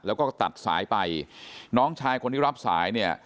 แล้วก็ตัดสายไปน้องชายคนที่รับสายเนี่ย